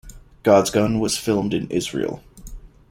"God's Gun" was filmed in Israel.